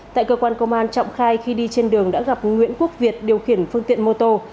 tại cơ quan công an trọng khai khi đi trên đường đã gặp nguyễn quốc việt điều khiển phương tiện mô tô